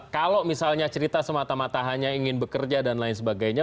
kalau misalnya cerita semata mata hanya ingin bekerja dan lain sebagainya